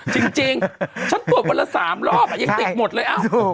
จริงฉันตรวจวันละ๓รอบยังติดหมดเลย